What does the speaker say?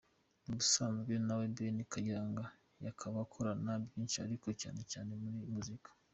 Mu busanzwe we na Ben Kayiranga bakaba bakorana byinshi ariko cyane cyane muri muzika.